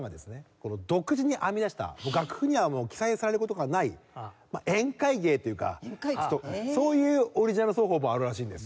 独自に編み出した楽譜には記載される事がない宴会芸というかそういうオリジナル奏法もあるらしいんですよ。